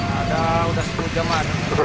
ada udah sepuluh jam an